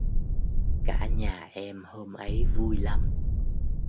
cả nhà em hôm ấy vui lắm